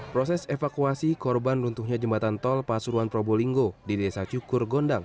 proses evakuasi korban runtuhnya jembatan tol pasuruan probolinggo di desa cukur gondang